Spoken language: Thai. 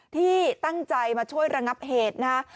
ที่ตั้งใจมาช่วยระงับเหตุนะฮะ